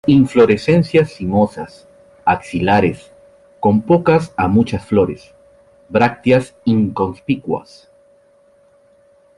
Inflorescencias cimosas, axilares, con pocas a muchas flores; brácteas inconspicuas.